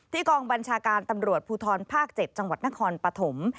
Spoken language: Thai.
กองบัญชาการตำรวจภูทรภาค๗จังหวัดนครปฐม